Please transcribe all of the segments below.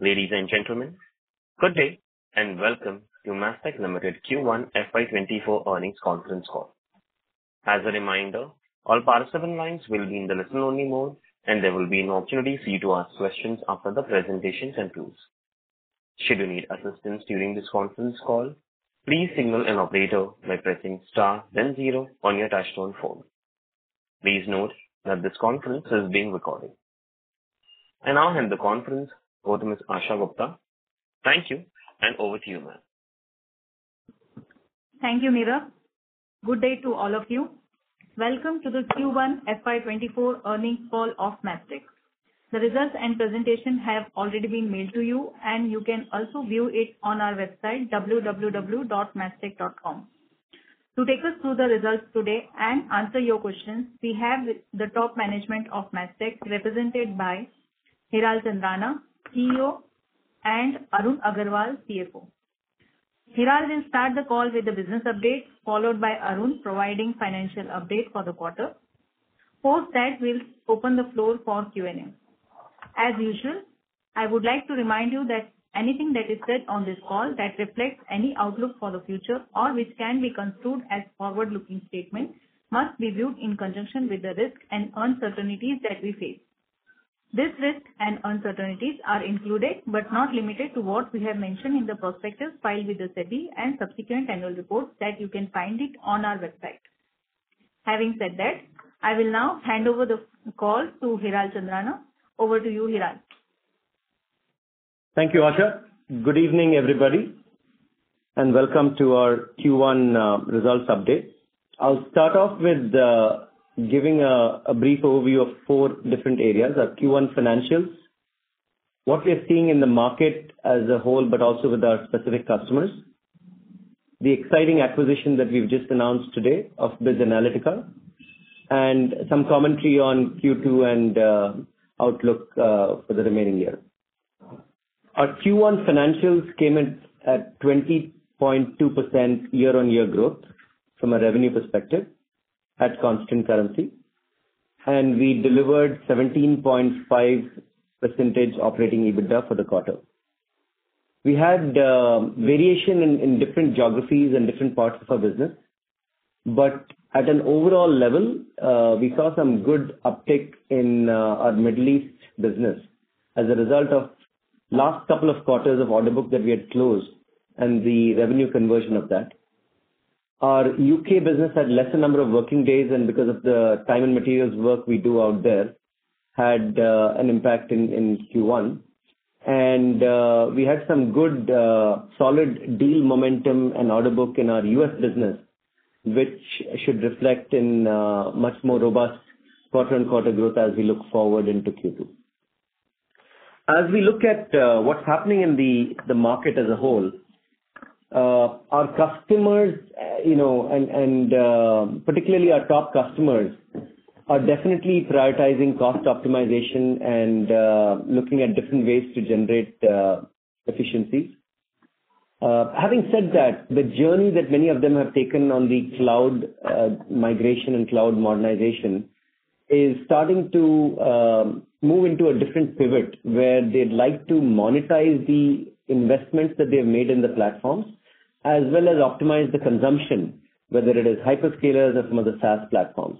Ladies and gentlemen, good day, and welcome to Mastek Limited Q1 FY 2024 Earnings Conference Call. As a reminder, all participant lines will be in the listen-only mode, and there will be an opportunity for you to ask questions after the presentations and clues. Should you need assistance during this conference call, please signal an operator by pressing star then zero on your touchtone phone. Please note that this conference is being recorded. I now hand the conference over to Ms. Asha Gupta. Thank you, and over to you, ma'am. Thank you, Mira. Good day to all of you. Welcome to the Q1 FY24 earnings call of Mastek. The results and presentation have already been mailed to you, and you can also view it on our website, www.mastek.com. To take us through the results today and answer your questions, we have the top management of Mastek, represented by Hiral Chandrana, CEO, and Arun Agarwal, CFO. Hiral will start the call with the business update, followed by Arun providing financial update for the quarter. Post that, we'll open the floor for Q&A. As usual, I would like to remind you that anything that is said on this call that reflects any outlook for the future or which can be construed as forward-looking statement, must be viewed in conjunction with the risk and uncertainties that we face. This risk and uncertainties are included, but not limited to, what we have mentioned in the prospectus filed with the SEBI and subsequent annual reports that you can find it on our website. Having said that, I will now hand over the call to Hiral Chandrana. Over to you, Hiral. Thank you, Asha. Good evening, everybody, welcome to our Q1 results update. I'll start off with giving a brief overview of four different areas, our Q1 financials, what we're seeing in the market as a whole, but also with our specific customers, the exciting acquisition that we've just announced today of BizAnalytica, some commentary on Q2 and outlook for the remaining year. Our Q1 financials came in at 20.2% year-over-year growth from a revenue perspective at constant currency, we delivered 17.5% operating EBITDA for the quarter. We had variation in different geographies and different parts of our business, but at an overall level, we saw some good uptick in our Middle East business as a result of last couple of quarters of order book that we had closed and the revenue conversion of that. Our U.K. business had lesser number of working days, because of the time and materials work we do out there, had an impact in Q1. We had some good, solid deal momentum and order book in our U.S. business, which should reflect in a much more robust quarter and quarter growth as we look forward into Q2. As we look at what's happening in the market as a whole, our customers, you know, and particularly our top customers, are definitely prioritizing cost optimization and looking at different ways to generate efficiencies. Having said that, the journey that many of them have taken on the cloud migration and cloud modernization is starting to move into a different pivot, where they'd like to monetize the investments that they've made in the platforms, as well as optimize the consumption, whether it is hyperscalers or some other SaaS platforms.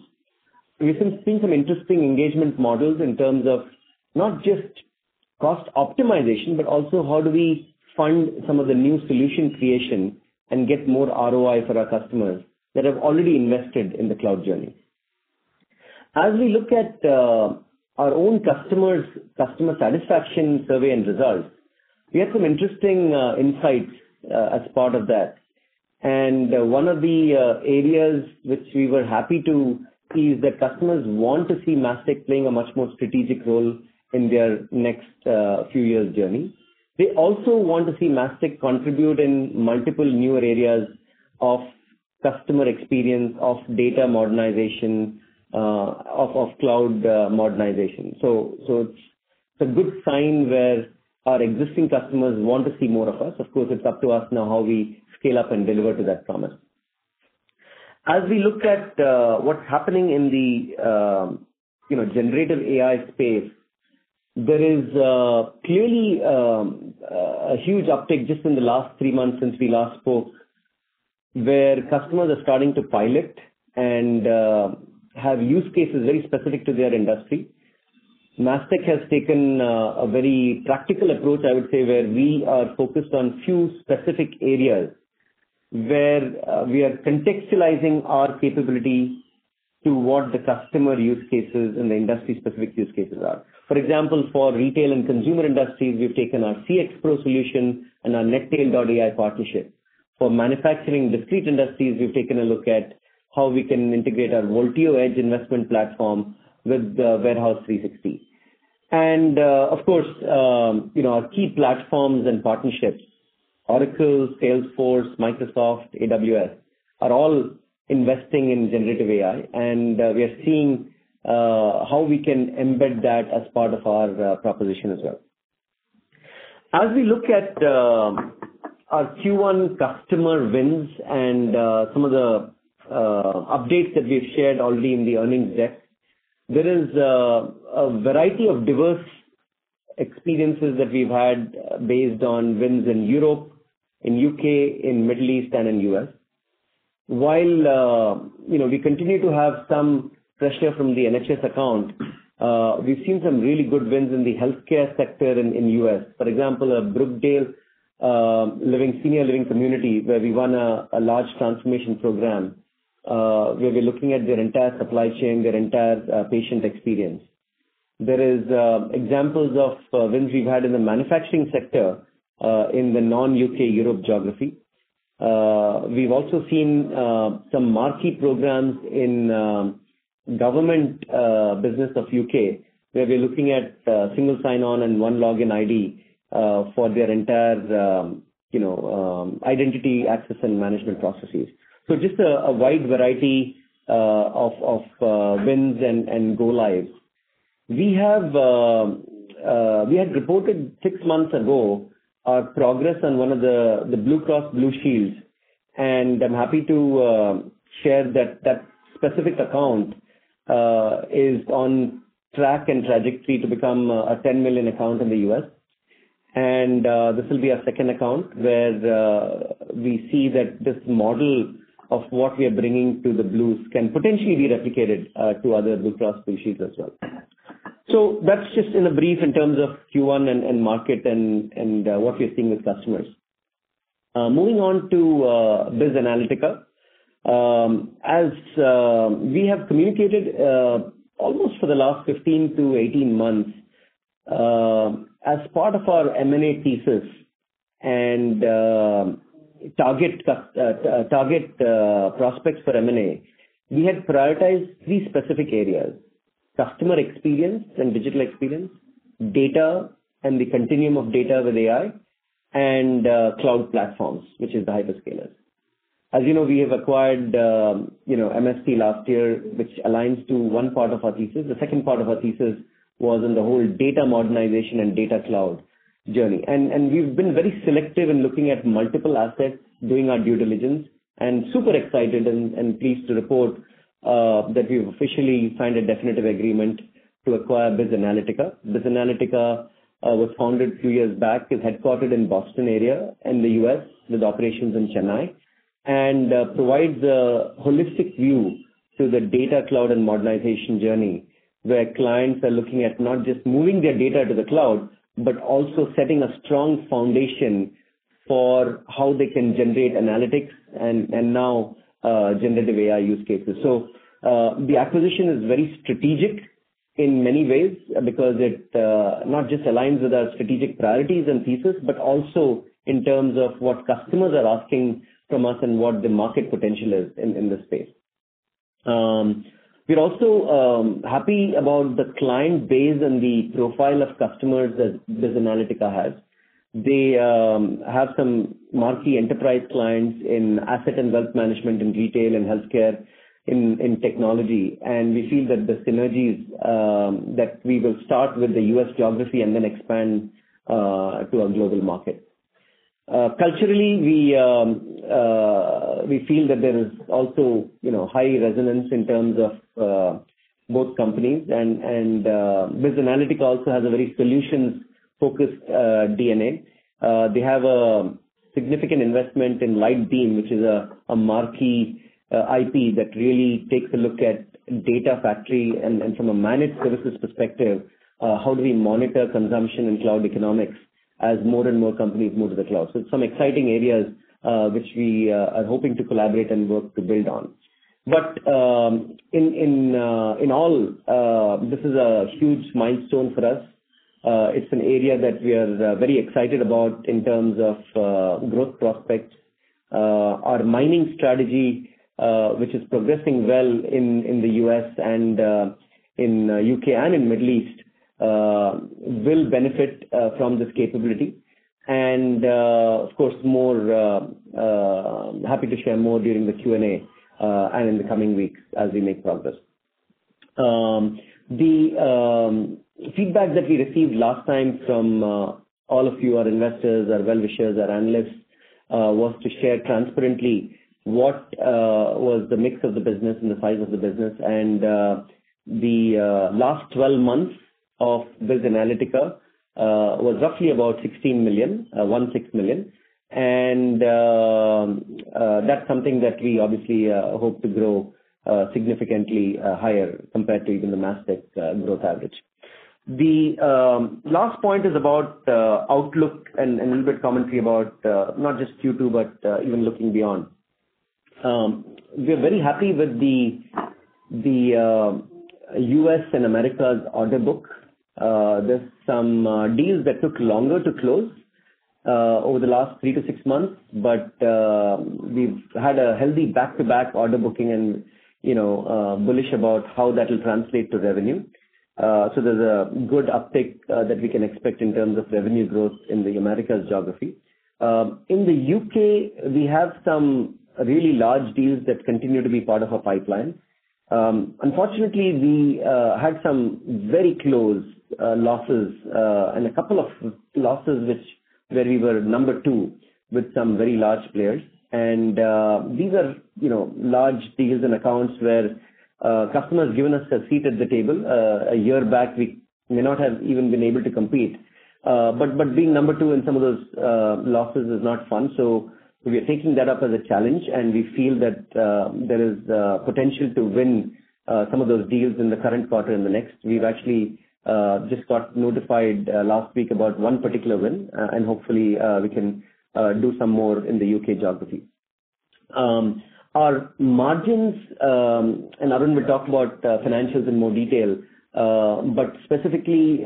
We've been seeing some interesting engagement models in terms of not just cost optimization, but also how do we fund some of the new solution creation and get more ROI for our customers that have already invested in the cloud journey? As we look at our own customers, customer satisfaction survey and results, we had some interesting insights as part of that. One of the areas which we were happy to see is that customers want to see Mastek playing a much more strategic role in their next few years' journey. They also want to see Mastek contribute in multiple newer areas of customer experience, of data modernization, of cloud modernization. It's a good sign where our existing customers want to see more of us. Of course, it's up to us now how we scale up and deliver to that promise. As we look at what's happening in the, you know, generative AI space, there is clearly a huge uptick just in the last three months since we last spoke, where customers are starting to pilot and have use cases very specific to their industry. Mastek has taken a very practical approach, I would say, where we are focused on few specific areas where we are contextualizing our capability to what the customer use cases and the industry-specific use cases are. For example, for retail and consumer industries, we've taken our icxPro solution and our Netail.ai partnership. For manufacturing discrete industries, we've taken a look at how we can integrate our VolteoEdge investment platform with the Warehouse 360. Our key platforms and partnerships, Oracle, Salesforce, Microsoft, AWS, are all investing in generative AI, and we are seeing how we can embed that as part of our proposition as well. As we look at our Q1 customer wins and some of the updates that we've shared already in the earnings deck. There is a variety of diverse experiences that we've had based on wins in Europe, in U.K., in Middle East, and in U.S.. While, you know, we continue to have some pressure from the NHS account, we've seen some really good wins in the healthcare sector in U.S.. For example, Brookdale Senior Living community, where we won a large transformation program, where we're looking at their entire supply chain, their entire patient experience. There is examples of wins we've had in the manufacturing sector in the non-U.K. Europe geography. We've also seen some marquee programs in government business of U.K., where we're looking at single sign-on and one login ID for their entire, you know, identity, access, and management processes. Just a wide variety of of wins and go lives. We have we had reported six months ago, our progress on one of the Blue Cross Blue Shield, and I'm happy to share that specific account is on track and trajectory to become a $10 million account in the U.S.. This will be our second account, where we see that this model of what we are bringing to the Blues can potentially be replicated to other Blue Cross Blue Shields as well. That's just in a brief in terms of Q1 and market and what we are seeing with customers. Moving on to BizAnalytica. As we have communicated almost for the last 15 to 18 months, as part of our M&A thesis and target prospects for M&A, we had prioritized three specific areas: customer experience and digital experience, data and the continuum of data with AI, and cloud platforms, which is the hyperscalers. As you know, we have acquired, you know, MSP last year, which aligns to one part of our thesis. The second part of our thesis was in the whole data modernization and data cloud journey. We've been very selective in looking at multiple assets, doing our due diligence, and super excited and pleased to report that we've officially signed a definitive agreement to acquire BizAnalytica. BizAnalytica was founded a few years back, is headquartered in Boston area in the U.S., with operations in Chennai, and provides a holistic view to the data cloud and modernization journey, where clients are looking at not just moving their data to the cloud, but also setting a strong foundation for how they can generate analytics and now generative AI use cases. The acquisition is very strategic in many ways because it not just aligns with our strategic priorities and thesis, but also in terms of what customers are asking from us and what the market potential is in this space. We're also happy about the client base and the profile of customers that BizAnalytica has. They have some marquee enterprise clients in asset and wealth management, in retail, in healthcare, in technology, and we feel that the synergies that we will start with the U.S. geography and then expand to our global market. Culturally, we feel that there is also, you know, high resonance in terms of both companies. BizAnalytica also has a very solutions-focused DNA. They have a significant investment in Mastek Lightbeam, which is a marquee IP, that really takes a look at data factory, and from a managed services perspective, how do we monitor consumption and cloud economics as more and more companies move to the cloud. Some exciting areas, which we are hoping to collaborate and work to build on. In all, this is a huge milestone for us. It's an area that we are very excited about in terms of growth prospects. Our mining strategy, which is progressing well in the U.S. and in the U.K., and in Middle East, will benefit from this capability. Of course, more. Happy to share more during the Q&A and in the coming weeks as we make progress. The feedback that we received last time from all of you, our investors, our well-wishers, our analysts, was to share transparently what was the mix of the business and the size of the business. The last 12 months of BizAnalytica was roughly about $16 million. That's something that we obviously hope to grow significantly higher compared to even the Mastek growth average. The last point is about outlook and a little bit commentary about not just Q2, but even looking beyond. We are very happy with the U.S. and Americas order book. There's some deals that took longer to close over the last 3 to 6 months. We've had a healthy back-to-back order booking and, you know, bullish about how that will translate to revenue. There's a good uptick that we can expect in terms of revenue growth in the Americas geography. In the U.K., we have some really large deals that continue to be part of our pipeline. Unfortunately, we had some very close losses, and a couple of losses where we were number two with some very large players. These are, you know, large deals and accounts where customers given us a seat at the table. A year back, we may not have even been able to compete. Being number two in some of those losses is not fun. We are taking that up as a challenge, and we feel that there is the potential to win some of those deals in the current quarter and the next. We've actually just got notified last week about one particular win, and hopefully, we can do some more in the U.K. geography. Our margins, and Arun will talk about financials in more detail, but specifically,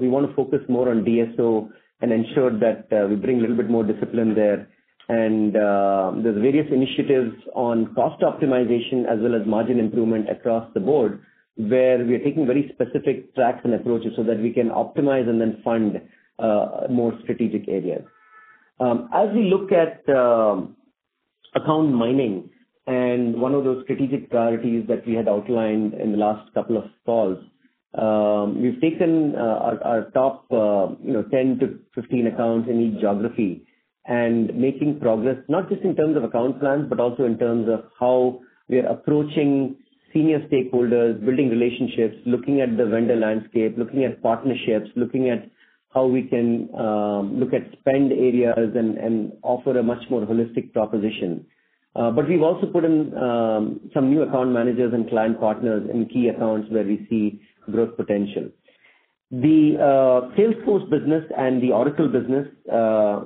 we want to focus more on DSO and ensure that we bring a little bit more discipline there. There's various initiatives on cost optimization as well as margin improvement across the board, where we are taking very specific tracks and approaches so that we can optimize and then fund more strategic areas. As we look at account mining and one of those strategic priorities that we had outlined in the last couple of calls, we've taken our top, you know, 10 to 15 accounts in each geography and making progress, not just in terms of account plans, but also in terms of how we are approaching senior stakeholders, building relationships, looking at the vendor landscape, looking at partnerships, looking at how we can look at spend areas and offer a much more holistic proposition. We've also put in some new account managers and client partners in key accounts where we see growth potential. The Salesforce business and the Oracle business,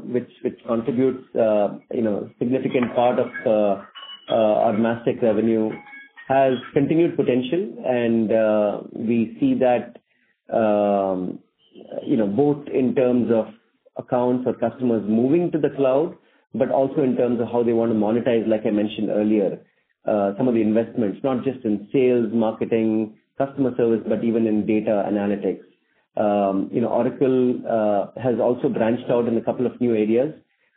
which contributes, you know, significant part of our Mastek revenue, has continued potential. We see that, you know, both in terms of accounts or customers moving to the cloud, but also in terms of how they want to monetize, like I mentioned earlier, some of the investments, not just in sales, marketing, customer service, but even in data analytics. You know, Oracle has also branched out in a couple of new areas.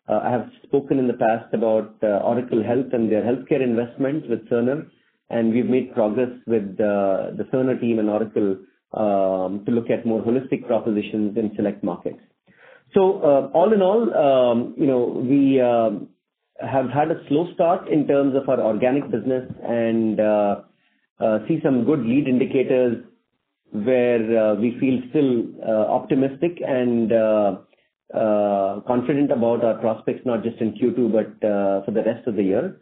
I have spoken in the past about Oracle Health and their healthcare investments with Cerner, and we've made progress with the Cerner team and Oracle to look at more holistic propositions in select markets. All in all, you know, we have had a slow start in terms of our organic business and see some good lead indicators where we feel still optimistic and confident about our prospects, not just in Q2, but for the rest of the year,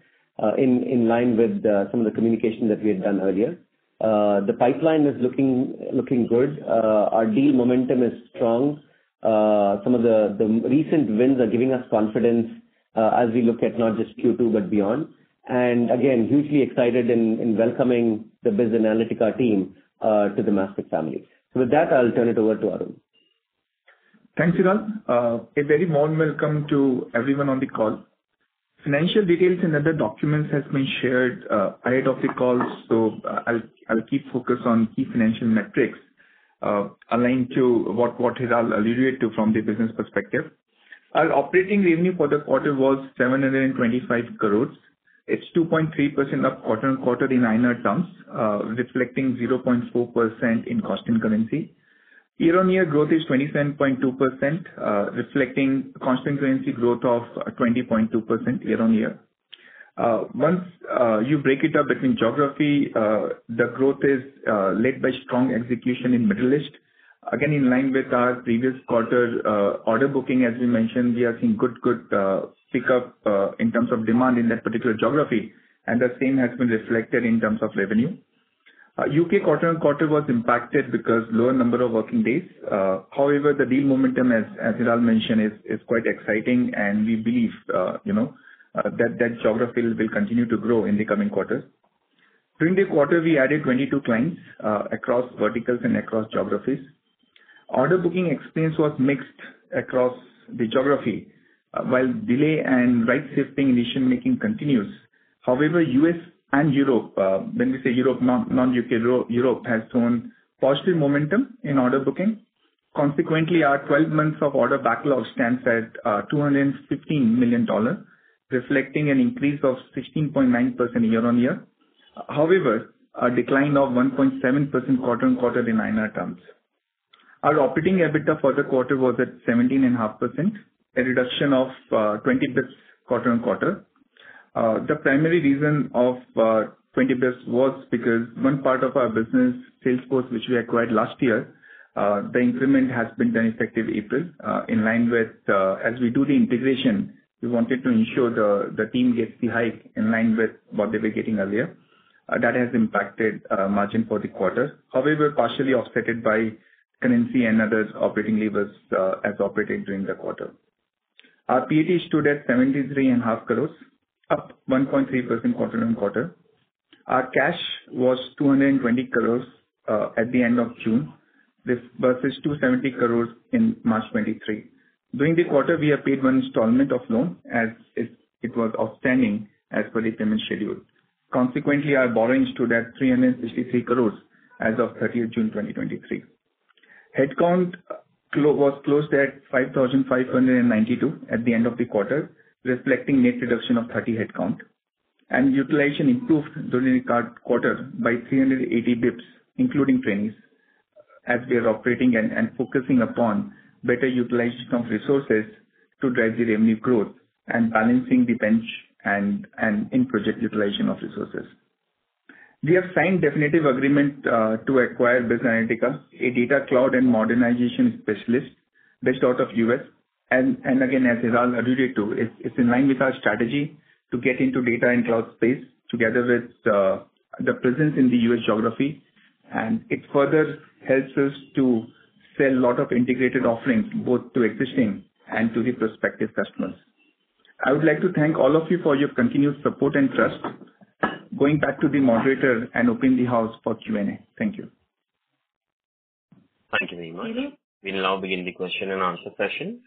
in line with some of the communication that we had done earlier. The pipeline is looking good. Our deal momentum is strong. Some of the recent wins are giving us confidence as we look at not just Q2, but beyond. And again, hugely excited in welcoming the BizAnalytica team to the Mastek family. With that, I'll turn it over to Arun. Thanks, Hiral. A very warm welcome to everyone on the call. Financial details and other documents has been shared prior to the call, so I'll keep focused on key financial metrics aligned to what Hiral alluded to from the business perspective. Our operating revenue for the quarter was 725 crores. It's 2.3% up quarter-on-quarter in INR terms, reflecting 0.4% in constant currency. Year-on-year growth is 27.2%, reflecting constant currency growth of 20.2% year-on-year. Once you break it up between geography, the growth is led by strong execution in Middle East. Again, in line with our previous quarter's order booking, as we mentioned, we are seeing good pickup in terms of demand in that particular geography, and the same has been reflected in terms of revenue. U.K. quarter-on-quarter was impacted because lower number of working days. However, the deal momentum, as Hiral mentioned, is quite exciting, and we believe, you know, that geography will continue to grow in the coming quarters. During the quarter, we added 22 clients across verticals and across geographies. Order booking experience was mixed across the geography, while delay and right-shifting decision-making continues. However, U.S. and Europe, when we say Europe, non-UK, Europe has shown positive momentum in order booking. Consequently, our 12 months of order backlog stands at $215 million, reflecting an increase of 16.9% year-on-year. A decline of 1.7% quarter-on-quarter in INR terms. Our operating EBITDA for the quarter was at 17 and half percent, a reduction of 20 basis points quarter-on-quarter. The primary reason of 20 basis points was because one part of our business, Salesforce, which we acquired last year, the increment has been done effective April. In line with as we do the integration, we wanted to ensure the team gets the hike in line with what they were getting earlier. That has impacted margin for the quarter. Partially offsetted by currency and other operating levers as operating during the quarter. Our PAT stood at 73.5 crores, up 1.3% quarter-on-quarter. Our cash was 220 crores at the end of June, this versus 270 crores in March 2023. During the quarter, we have paid one installment of loan as it was outstanding as per the payment schedule. Our borrowings stood at 363 crores as of 30th June 2023. Headcount was closed at 5,592 at the end of the quarter, reflecting net reduction of 30 headcount. Utilization improved during the quarter by 380 basis points, including trends, as we are operating and focusing upon better utilization of resources to drive the revenue growth and balancing the bench and in project utilization of resources. We have signed definitive agreement to acquire BizAnalytica, a data cloud and modernization specialist based out of U.S. Again, as Viral alluded to, it's in line with our strategy to get into data and cloud space together with the presence in the U.S. geography. It further helps us to sell a lot of integrated offerings, both to existing and to the prospective customers. I would like to thank all of you for your continued support and trust. Going back to the moderator and open the house for Q&A. Thank you. Thank you very much. We'll now begin the question and answer session.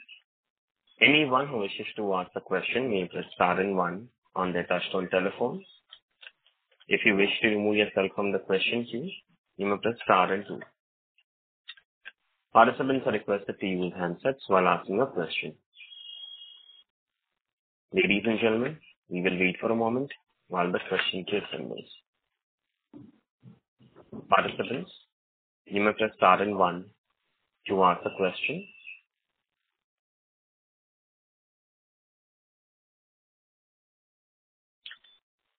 Anyone who wishes to ask a question may press star and one on their touchtone telephones. If you wish to remove yourself from the question queue, you may press star and two. Participants are requested to use handsets while asking a question. Ladies and gentlemen, we will wait for a moment while the question queue assembles. Participants, you may press star and one to ask a question.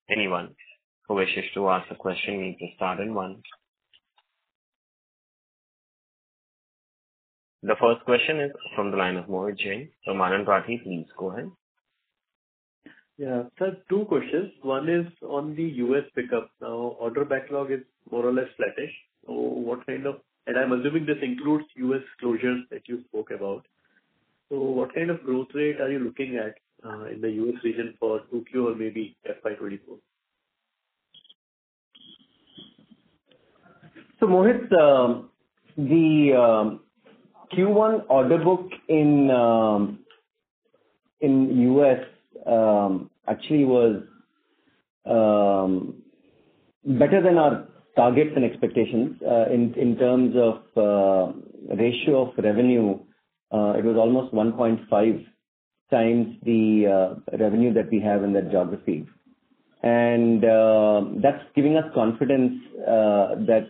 Anyone who wishes to ask a question, you may press star and one. The first question is from the line of Mohit Jain from Anand Rathi. Please go ahead. Yeah. Sir, two questions. One is on the U.S. pickup. Now, order backlog is more or less flattish, what kind of... I'm assuming this includes U.S. closures that you spoke about. What kind of growth rate are you looking at in the U.S. region for 2Q or maybe FY 2024? Mohit, the Q1 order book in U.S. actually was better than our targets and expectations. In terms of ratio of revenue, it was almost 1.5 times the revenue that we have in that geography. That's giving us confidence that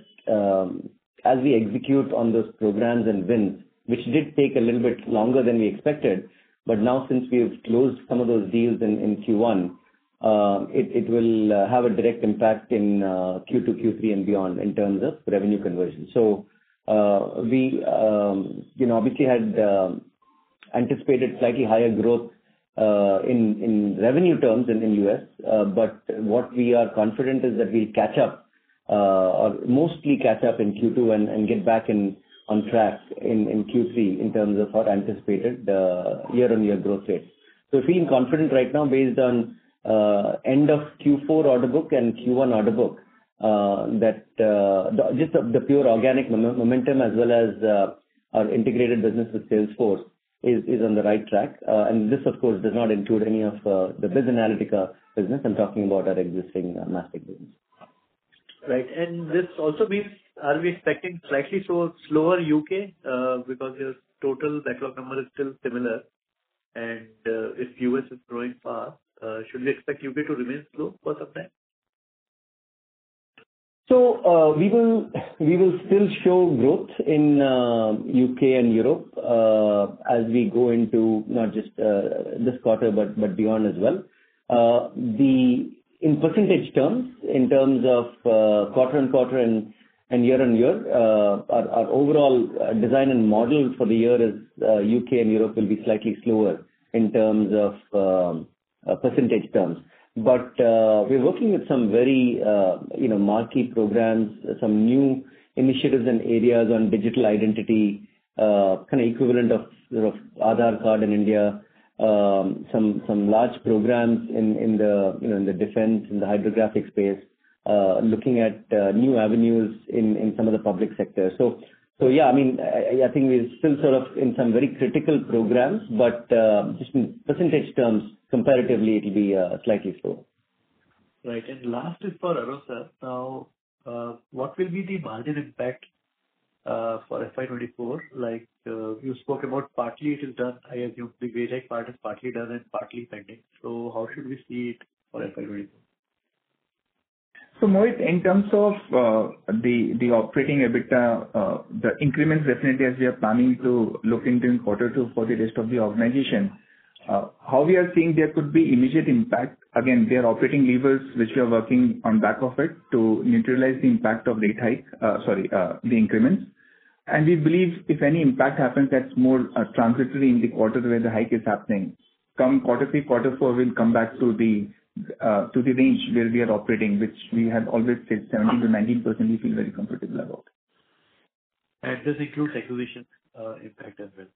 as we execute on those programs and wins, which did take a little bit longer than we expected, but now since we have closed some of those deals in Q1, it will have a direct impact in Q2, Q3 and beyond in terms of revenue conversion. We, you know, obviously had anticipated slightly higher growth in revenue terms in the U.S. What we are confident is that we'll catch up, or mostly catch up in Q2 and get back on track in Q3 in terms of our anticipated year-on-year growth rate. Feeling confident right now based on end of Q4 order book and Q1 order book, that just the pure organic momentum as well as our integrated business with Salesforce is on the right track. This, of course, does not include any of the BizAnalytica business. I'm talking about our existing Mastek business. Right. This also means are we expecting slightly so slower U.K., because your total backlog number is still similar, and if US is growing fast, should we expect U.K. to remain slow for some time? We will still show growth in U.K. and Europe as we go into not just this quarter, but beyond as well. In percentage terms, in terms of quarter-on-quarter and year-on-year, our overall design and model for the year is U.K. and Europe will be slightly slower in terms of percentage terms. We're working with some very, you know, marquee programs, some new initiatives and areas on digital identity, kind of equivalent of, you know, Aadhaar card in India. Some large programs in the, you know, in the defense, in the hydrographic space, looking at new avenues in some of the public sector. Yeah, I mean, I think we're still sort of in some very critical programs, but just in percentage terms, comparatively, it'll be slightly slow. Right. Last is for Arun Agarwal. Now, what will be the margin impact for FY24? Like, you spoke about partly it is done. I assume the basic part is partly done and partly pending. How should we see it for FY24? Mohit, in terms of the operating EBITDA, the increments definitely as we are planning to look into in quarter two for the rest of the organization, how we are seeing there could be immediate impact. Again, there are operating levers which we are working on back of it to neutralize the impact of rate hike, sorry, the increments. We believe if any impact happens, that's more transitory in the quarter where the hike is happening. Come quarter three, quarter four, we'll come back to the range where we are operating, which we have always said 17%-19%, we feel very comfortable about. This includes acquisition impact as well.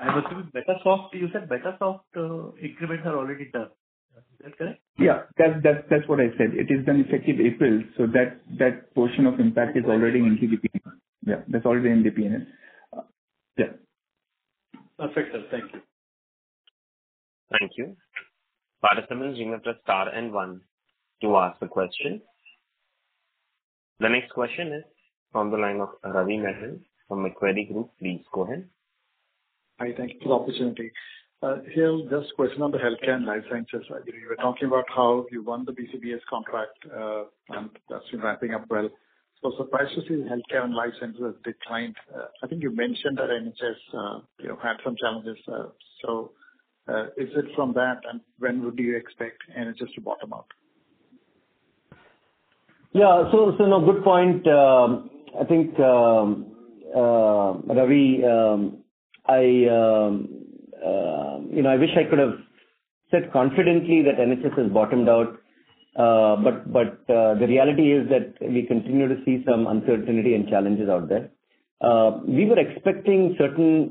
I assume Betasoft, you said Betasoft increments are already done. Is that correct? Yeah, that's what I said. It is done effective April, so that portion of impact is already in QPN. Yeah, that's already in the PN. Yeah. Perfect, sir. Thank you. Thank you. Participants, you may press star and one to ask a question. The next question is from the line of Ravi Mehta from Macquarie Group. Please go ahead. Hi, thank you for the opportunity. Here, just a question on the healthcare and life sciences. You were talking about how you won the BCBS contract, and that's ramping up well. Surprised to see the healthcare and life sciences declined. I think you mentioned that NHS, you know, had some challenges. Is it from that, and when would you expect NHS to bottom out? Yeah. No, good point. I think, Ravi, I, you know, I wish I could have said confidently that NHS has bottomed out. The reality is that we continue to see some uncertainty and challenges out there. We were expecting certain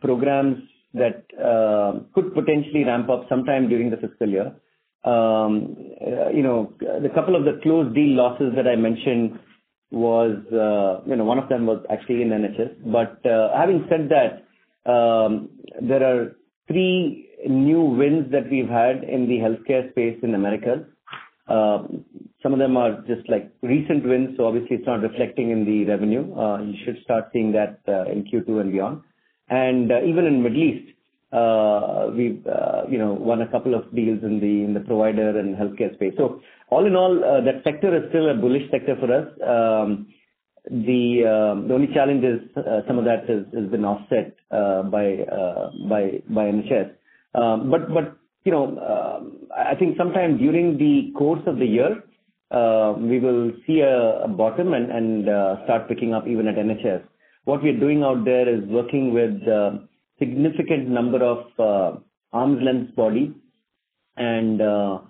programs that could potentially ramp up sometime during the fiscal year. You know, the couple of the closed deal losses that I mentioned was, you know, one of them was actually in NHS. Having said that, there are three new wins that we've had in the healthcare space in America. Some of them are just, like, recent wins, so obviously it's not reflecting in the revenue. You should start seeing that in Q2 and beyond. Even in Middle East, we've, you know, won a couple of deals in the provider and healthcare space. All in all, that sector is still a bullish sector for us. The only challenge is some of that has been offset by NHS. You know, I think sometime during the course of the year, we will see a bottom and start picking up even at NHS. What we are doing out there is working with a significant number of arm's length body and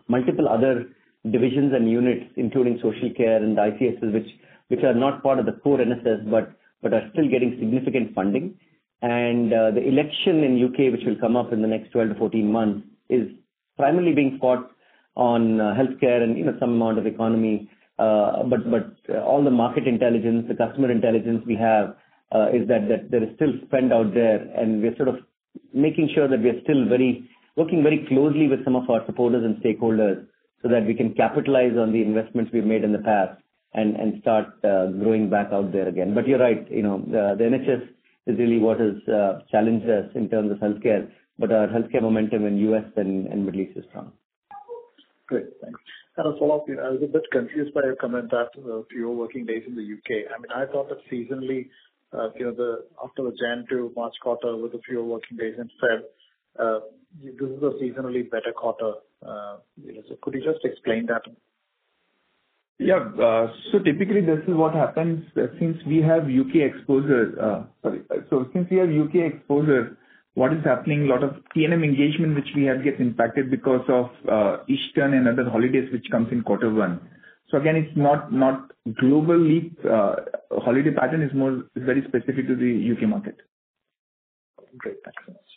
multiple other divisions and units, including social care and the ICSs, which are not part of the core NHS, but are still getting significant funding. The election in U.K., which will come up in the next 12 to 14 months, is primarily being fought on healthcare and, you know, some amount of economy. But all the market intelligence, the customer intelligence we have is that there is still spend out there, and we are sort of making sure that we are still working very closely with some of our supporters and stakeholders, so that we can capitalize on the investments we've made in the past and start growing back out there again. You're right, you know, the NHS is really what has challenged us in terms of healthcare, but our healthcare momentum in U.S. and Middle East is strong. Great, thanks. Also, I was a bit confused by your comment that fewer working days in the UK. I mean, I thought that seasonally, you know, the after the Jan to March quarter with a fewer working days in Feb, this is a seasonally better quarter. Could you just explain that? Typically this is what happens. Since we have UK exposure, what is happening, a lot of PMM engagement, which we have, gets impacted because of Easter and other holidays, which comes in quarter one. Again, it's not globally, holiday pattern, is more, is very specific to the UK market. Great. Thank you so much.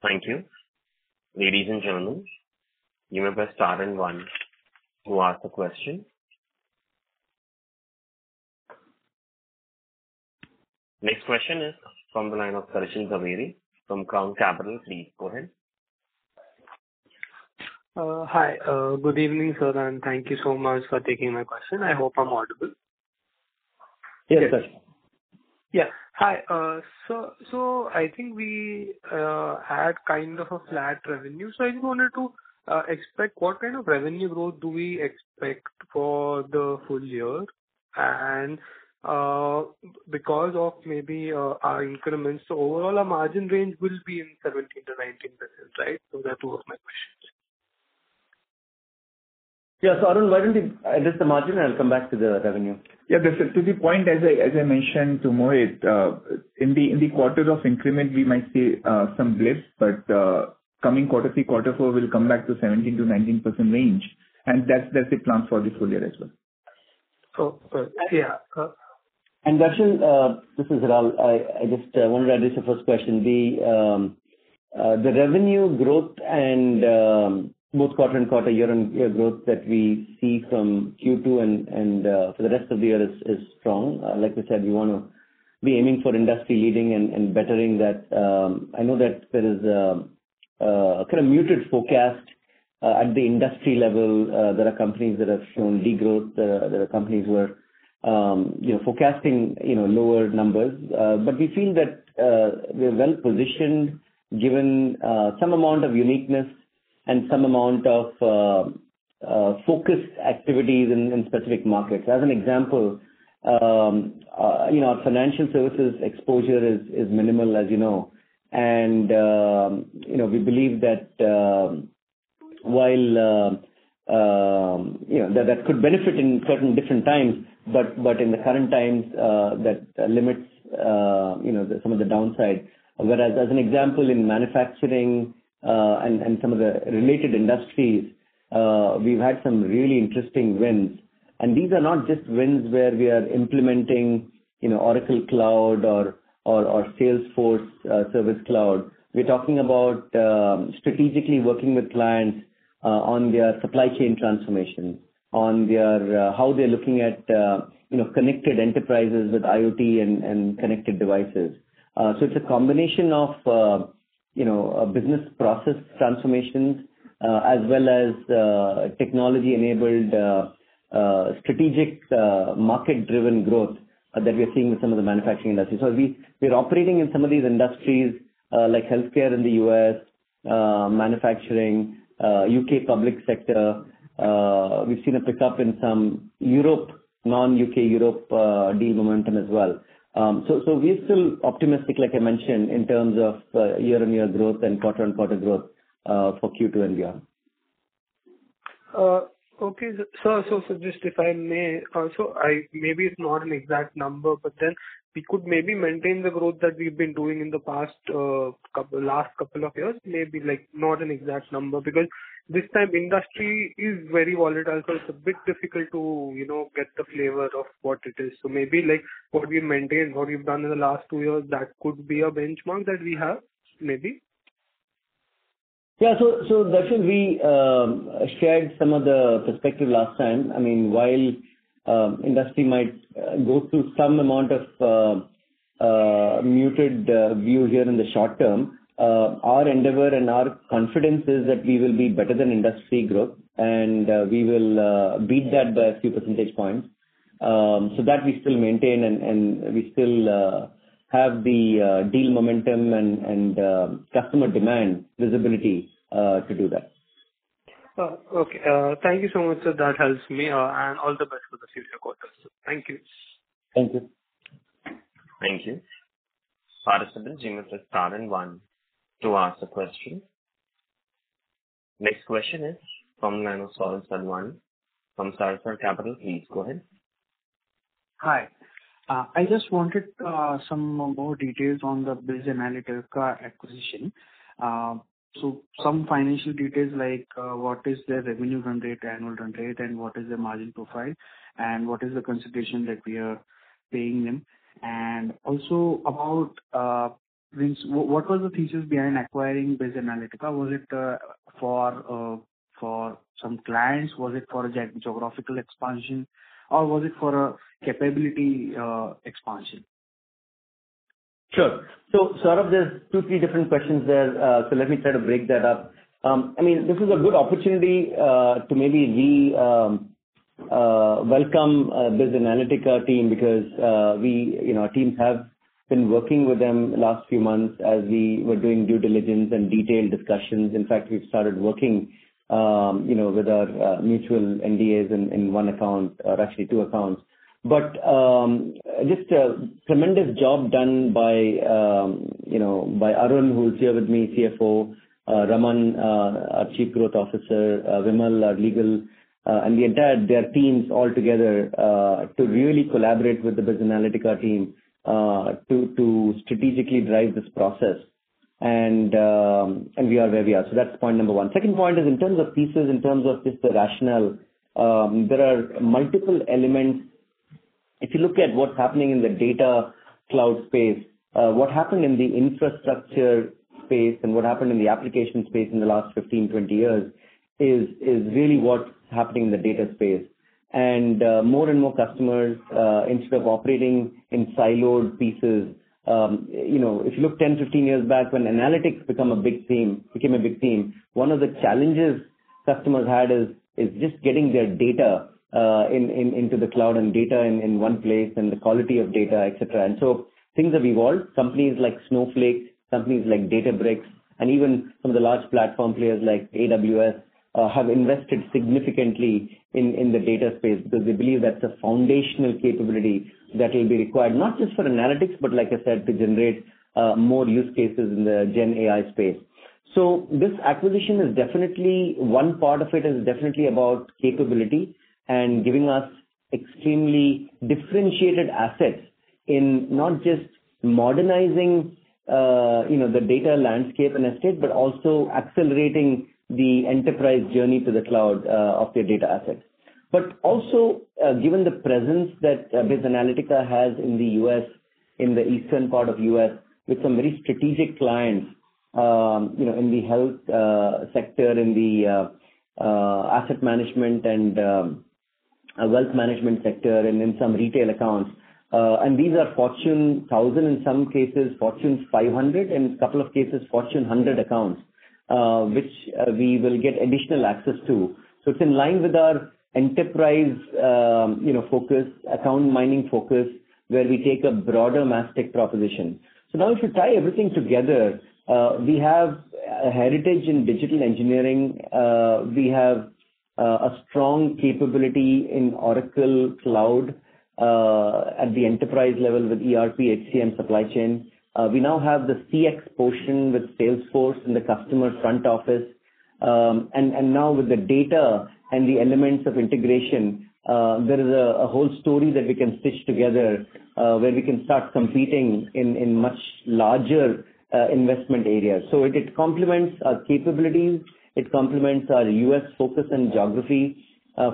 Thank you. Ladies and gentlemen, you may press star and one to ask a question. Next question is from the line of Darshan Jhaveri from Crown Capital. Please, go ahead. Hi. Good evening, sir, and thank you so much for taking my question. I hope I'm audible. Yes, sir. Yeah. Hi, so I think we had kind of a flat revenue. I just wanted to expect what kind of revenue growth do we expect for the full year? Because of maybe, our increments, so overall, our margin range will be in 17%-19%, right? Those are two of my questions. Yeah. Arun, why don't you address the margin, and I'll come back to the revenue? Yeah. To the point, as I mentioned to Mohit, in the quarter of increment, we might see some blips, but coming quarter three, quarter four, we'll come back to 17% to 19% range, that's the plan for this full year as well. Yeah. Darshan, this is Arun I just wanted to address the first question. The revenue growth and both quarter and quarter, year-on-year growth that we see from Q2 and for the rest of the year is strong. Like I said, we wanna be aiming for industry-leading and bettering that. I know that there is a kind of muted forecast at the industry level. There are companies that have shown degrowth. There are companies who are, you know, forecasting, you know, lower numbers. We feel that we are well-positioned, given some amount of uniqueness and some amount of focused activities in specific markets. As an example, you know, our financial services exposure is minimal, as you know. You know, we believe that, you know, that could benefit in certain different times, but in the current times, that limits, you know, some of the downsides. As an example, in manufacturing, and some of the related industries, we've had some really interesting wins. These are not just wins where we are implementing, you know, Oracle Cloud or Salesforce Service Cloud. We're talking about strategically working with clients on their supply chain transformation, on their how they're looking at, you know, connected enterprises with IoT and connected devices. It's a combination of, you know, business process transformations, as well as technology-enabled, strategic, market-driven growth that we are seeing with some of the manufacturing industries. We're operating in some of these industries, like healthcare in the U.S., manufacturing, U.K. public sector. We've seen a pickup in some Europe, non-U.K, Europe, deal momentum as well. We're still optimistic, like I mentioned, in terms of year-on-year growth and quarter-on-quarter growth, for Q2 and beyond. Okay. Just if I may, maybe it's not an exact number, we could maybe maintain the growth that we've been doing in the past, last couple of years. Maybe like not an exact number, because this time industry is very volatile, so it's a bit difficult to, you know, get the flavor of what it is. Maybe like what we maintained, what we've done in the last two years, that could be a benchmark that we have, maybe? Yeah. Actually, we shared some of the perspective last time. I mean, while industry might go through some amount of muted view here in the short term, our endeavor and our confidence is that we will be better than industry growth, and we will beat that by a few percentage points. That we still maintain and we still have the deal momentum and customer demand visibility to do that. Okay. Thank you so much, sir. That helps me. All the best for the future quarters. Thank you. Thank you. Thank you. Participant, press star one, to ask a question. Next question is from Salman from Sarasar Capital. Please, go ahead. Hi. I just wanted some more details on the BizAnalytica acquisition. Some financial details like, what is their revenue run rate, annual run rate, and what is their margin profile, and what is the consideration that we are paying them? Also about Vince, what was the thesis behind acquiring BizAnalytica? Was it for some clients? Was it for geographical expansion, or was it for a capability expansion? Sure. Sort of there's two, three different questions there. Let me try to break that up. I mean, this is a good opportunity to maybe re-welcome BizAnalytica team, because we, you know, our teams have been working with them the last few months as we were doing due diligence and detailed discussions. In fact, we've started working, you know, with our mutual NDAs in one account, or actually two accounts. Just a tremendous job done by, you know, by Arun, who's here with me, CFO, Raman, our Chief Growth Officer, Vimal, our legal, and the entire their teams all together to really collaborate with the BizAnalytica team to strategically drive this process. We are where we are. That's point number one. Second point is in terms of pieces, in terms of just the rationale, there are multiple elements. If you look at what's happening in the data cloud space, what happened in the infrastructure space and what happened in the application space in the last 15, 20 years, is really what's happening in the data space. More and more customers, instead of operating in siloed pieces, you know, if you look 10, 15 years back when analytics became a big theme, one of the challenges customers had is just getting their data into the cloud and data in one place, and the quality of data, et cetera. Things have evolved. Companies like Snowflake, companies like Databricks, and even some of the large platform players like AWS have invested significantly in the data space, because they believe that's a foundational capability that will be required, not just for analytics, but like I said, to generate more use cases in the gen AI space. This acquisition is definitely. One part of it is definitely about capability and giving us extremely differentiated assets in not just modernizing, you know, the data landscape and estate, but also accelerating the enterprise journey to the cloud of their data assets. Also, given the presence that BizAnalytica has in the U.S., in the eastern part of the US, with some very strategic clients, you know, in the health sector, in the asset management and wealth management sector, and in some retail accounts. These are Fortune 1,000, in some cases, Fortune 500, and in a couple of cases, Fortune 100 accounts, which we will get additional access to. It's in line with our enterprise, you know, focus, account mining focus, where we take a broader Mastek proposition. Now if you tie everything together, we have a heritage in digital engineering. We have a strong capability in Oracle Cloud, at the enterprise level with ERP, HCM, supply chain. We now have the CX portion with Salesforce in the customer front office. Now with the data and the elements of integration, there is a whole story that we can stitch together, where we can start competing in much larger investment areas. It complements our capabilities, it complements our U.S. focus and geography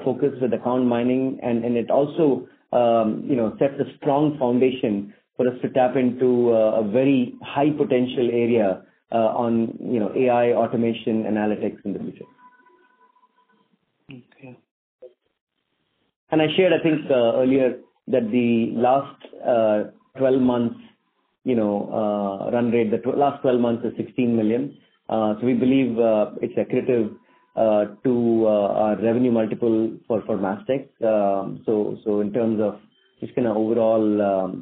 focus with account mining. It also, you know, sets a strong foundation for us to tap into a very high potential area, on, you know, AI, automation, analytics in the future. Okay. I shared, I think, earlier, that the last 12 months, you know, run rate, the last 12 months is 16 million. We believe it's accretive to our revenue multiple for Mastek. In terms of just kind of overall,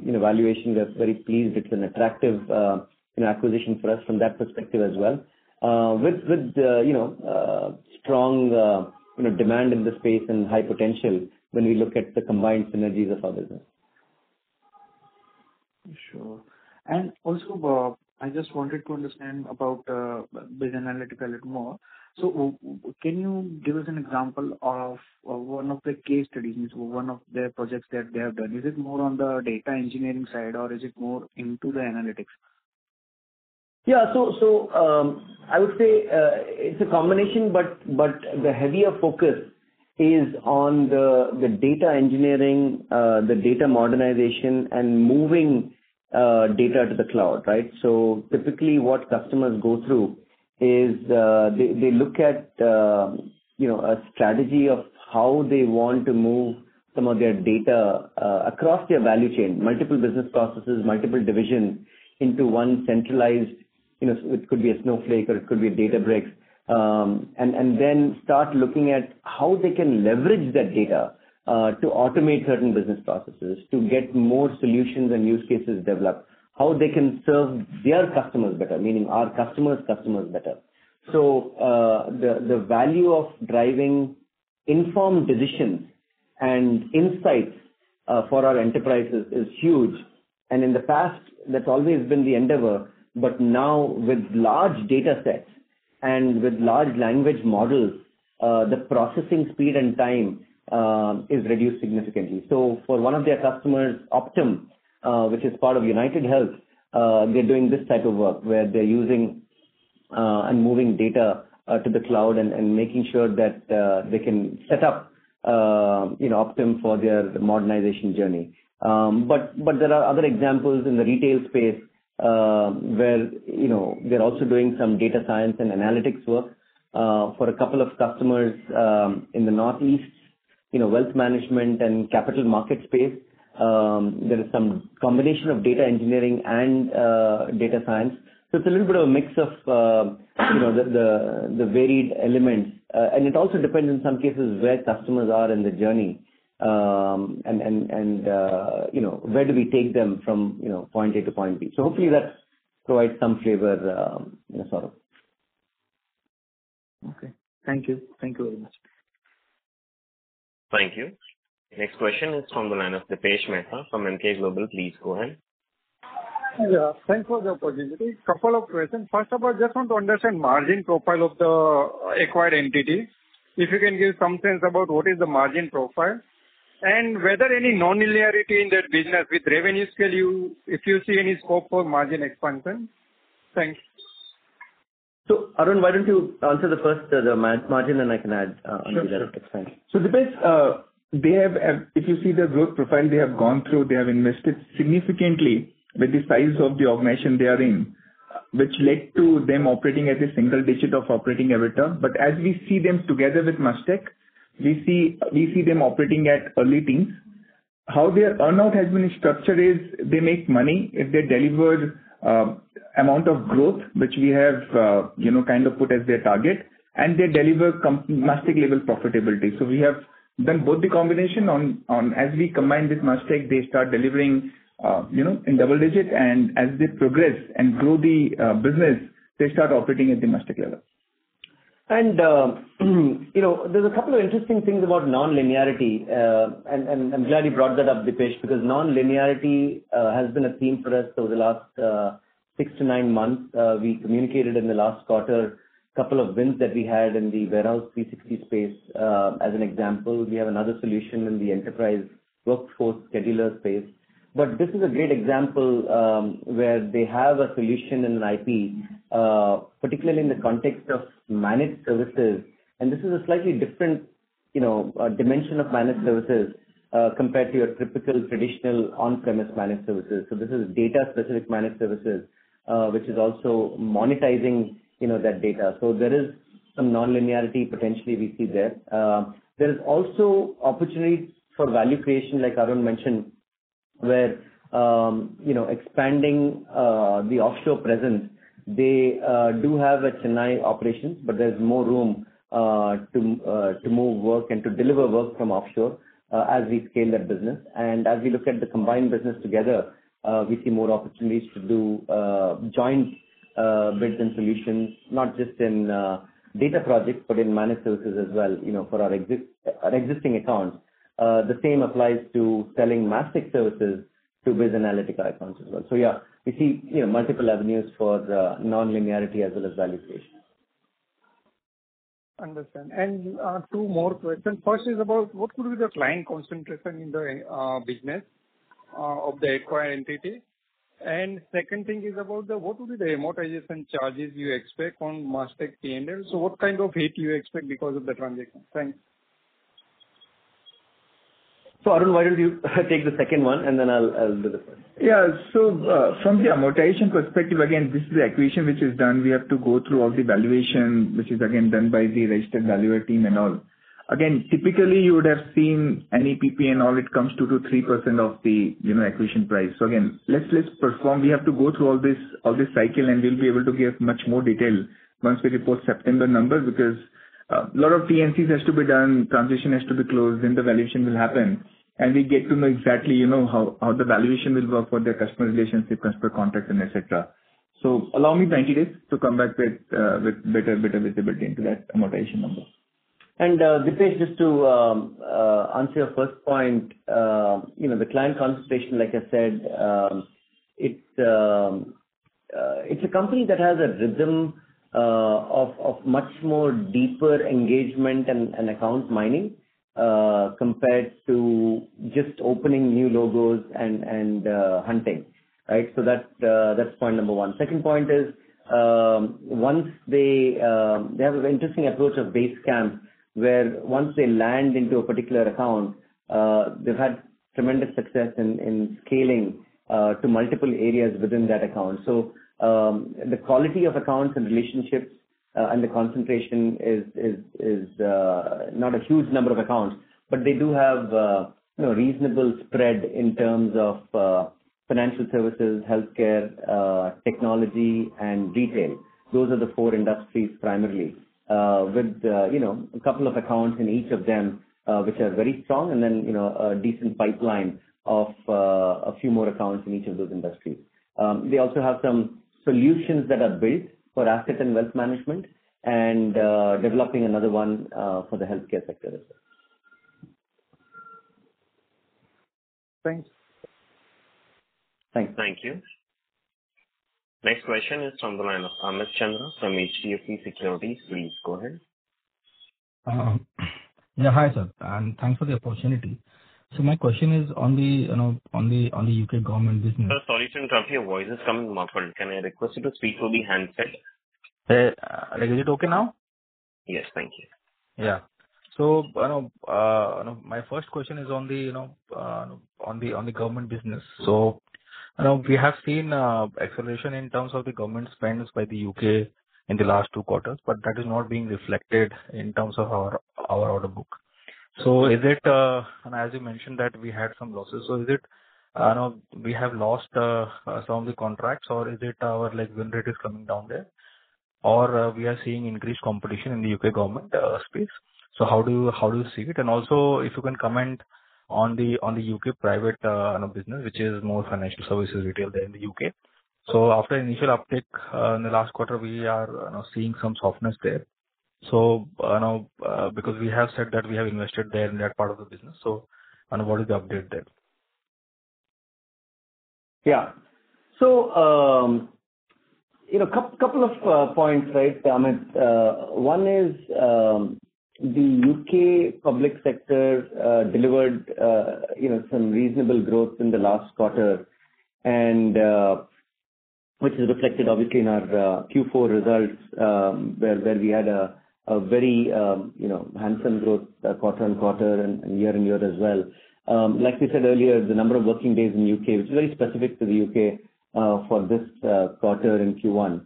you know, valuation, we are very pleased. It's an attractive, you know, acquisition for us from that perspective as well. With, with, you know, strong, you know, demand in the space and high potential when we look at the combined synergies of our business. Sure. Also, I just wanted to understand about BizAnalytica a little more. Can you give us an example of one of the case studies, one of their projects that they have done? Is it more on the data engineering side, or is it more into the analytics? I would say it's a combination, but the heavier focus is on the data engineering, the data modernization, and moving data to the cloud, right? Typically what customers go through is they look at, you know, a strategy of how they want to move some of their data across their value chain, multiple business processes, multiple divisions, into one centralized, you know, it could be a Snowflake or it could be a Databricks. Then start looking at how they can leverage that data to automate certain business processes, to get more solutions and use cases developed, how they can serve their customers better, meaning our customers' customers better. The value of driving informed decisions and insights for our enterprises is huge. In the past, that's always been the endeavor. Now with large data sets and with large language models, the processing speed and time is reduced significantly. For one of their customers, Optum, which is part of UnitedHealth, they're doing this type of work, where they're using and moving data to the cloud and making sure that they can set up, you know, Optum for their modernization journey. There are other examples in the retail space, where, you know, they're also doing some data science and analytics work for a couple of customers in the Northeast, you know, wealth management and capital market space. There is some combination of data engineering and data science. It's a little bit of a mix of, you know, the varied elements. It also depends in some cases, where customers are in the journey. You know, where do we take them from, you know, point A to point B. Hopefully that provides some flavor, you know, sort of. Okay. Thank you. Thank you very much. Thank you. Next question is from the line of Dipesh Mehta from Emkay Global. Please go ahead. Yeah, thanks for the opportunity. Couple of questions. First of all, I just want to understand margin profile of the acquired entity. If you can give some sense about what is the margin profile, and whether any nonlinearity in that business with revenue scale, If you see any scope for margin expansion? Thanks. Arun, why don't you answer the first, the margin, and I can add on the analytics? Thanks. Sure. Dipesh, they have. If you see the growth profile they have gone through, they have invested significantly with the size of the organization they are in, which led to them operating at a single-digit operating return. As we see them together with Mastek, we see them operating at early teens. How their earn out has been structured is, they make money if they deliver amount of growth, which we have, you know, kind of put as their target, and they deliver Mastek level profitability. We have done both the combination on. As we combine with Mastek, they start delivering, you know, in double-digits, and as they progress and grow the business, they start operating at the Mastek level. You know, there's a couple of interesting things about nonlinearity. I'm glad you brought that up, Dipesh, because nonlinearity has been a theme for us over the last six to nine months. We communicated in the last quarter, couple of wins that we had in the Warehouse 360 space. As an example, we have another solution in the Enterprise Workforce Scheduler space. This is a great example, where they have a solution and an IP, particularly in the context of managed services. This is a slightly different, you know, dimension of managed services, compared to your typical traditional on-premise managed services. This is data-specific managed services, which is also monetizing, you know, that data. There is some nonlinearity potentially we see there. There is also opportunities for value creation, like Arun mentioned, where, you know, expanding the offshore presence. They do have a Chennai operation, but there's more room to move work and to deliver work from offshore as we scale their business. As we look at the combined business together, we see more opportunities to do joint bids and solutions, not just in data projects, but in managed services as well, you know, for our existing accounts. The same applies to selling Mastek services to BizAnalytica accounts as well. Yeah, we see, you know, multiple avenues for the nonlinearity as well as value creation. Understand. Two more questions. First is about what would be the client concentration in the business of the acquired entity? Second thing is about the, what would be the amortization charges you expect on Mastek tender? What kind of hit you expect because of the transaction? Thanks. Arun, why don't you take the second one, and then I'll do the first? Yeah. From the amortization perspective, again, this is the acquisition which is done. We have to go through all the valuation, which is again done by the registered valuer team and all. Again, typically, you would have seen NEPP and all, it comes 2%-3% of the, you know, acquisition price. Again, let's perform. We have to go through all this, all this cycle, and we'll be able to give much more detail once we report September numbers. Because a lot of POCs has to be done, transition has to be closed, then the valuation will happen, and we get to know exactly, you know, how the valuation will work for their customer relationship, customer contact, and et cetera. Allow me 90 days to come back with better visibility into that amortization number. Dipesh, just to answer your first point, you know, the client concentration, like I said, it's a company that has a rhythm of much more deeper engagement and account mining compared to just opening new logos and hunting, right? So that's point number one. Second point is, once they have an interesting approach of base camp, where once they land into a particular account, they've had tremendous success in scaling to multiple areas within that account. So the quality of accounts and relationships, and the concentration is not a huge number of accounts, but they do have reasonable spread in terms of financial services, healthcare, technology, and retail. Those are the four industries primarily, with, you know, a couple of accounts in each of them, which are very strong, and then, you know, a decent pipeline of a few more accounts in each of those industries. They also have some solutions that are built for asset and wealth management, and developing another one for the healthcare sector as well. Thanks. Thank you. Next question is from the line of Amit Chandra from HDFC Securities. Please go ahead. Yeah, hi, sir, thanks for the opportunity. My question is on the UK government business... Sir, sorry to interrupt. Your voice is coming muffled. Can I request you to speak over the handset? Is it okay now? Yes. Thank you. You know, my first question is on the, you know, on the, on the government business. You know, we have seen acceleration in terms of the government spends by the U.K. in the last two quarters, but that is not being reflected in terms of our order book. Is it, and as you mentioned that we had some losses, is it, you know, we have lost some of the contracts, or is it our like win rate is coming down there, or we are seeing increased competition in the U.K. government space? How do you, how do you see it? If you can comment on the, on the U.K. private, you know, business, which is more financial services retail there in the U.K.. After initial uptick in the last quarter, we are, you know, seeing some softness there. You know, because we have said that we have invested there in that part of the business, and what is the update there? Yeah. You know, couple of points, right, Amit Chandra. One is, the U.K. public sector delivered, you know, some reasonable growth in the last quarter. Which is reflected obviously in our Q4 results, where we had a very, you know, handsome growth quarter on quarter and year on year as well. Like we said earlier, the number of working days in U.K., it's very specific to the U.K., for this quarter in Q1,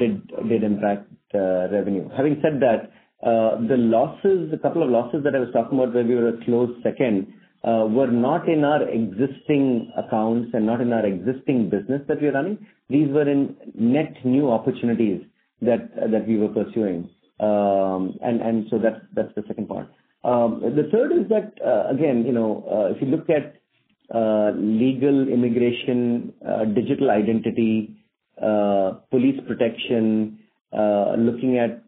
did impact revenue. Having said that, the losses, the couple of losses that I was talking about where we were a close second, were not in our existing accounts and not in our existing business that we are running. These were in net new opportunities that we were pursuing. That's the second part. The third is that, again, you know, if you look at legal immigration, digital identity, police protection, looking at,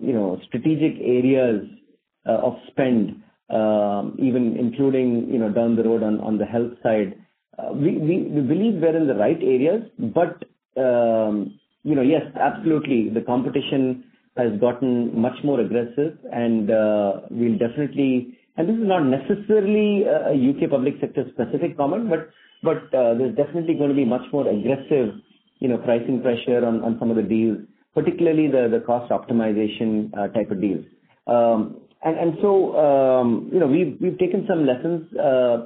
you know, strategic areas of spend, even including, you know, down the road on the health side, we believe we're in the right areas. You know, yes, absolutely, the competition has gotten much more aggressive, and we'll definitely. This is not necessarily a U.K. public sector specific comment, but there's definitely going to be much more aggressive, you know, pricing pressure on some of the deals, particularly the cost optimization type of deals. You know, we've taken some lessons,